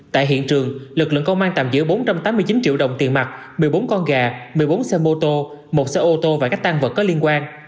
tại hiện trường lực lượng công an tạm giữ bốn trăm tám mươi chín triệu đồng tiền mặt một mươi bốn con gà một mươi bốn xe mô tô một xe ô tô và các tăng vật có liên quan